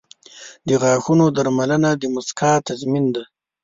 • د غاښونو درملنه د مسکا تضمین ده.